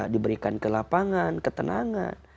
diberikan ke lapangan ketenangan